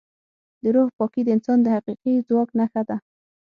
د روح پاکي د انسان د حقیقي ځواک نښه ده.